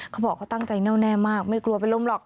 เขาบอกเขาตั้งใจแน่วแน่มากไม่กลัวเป็นลมหรอก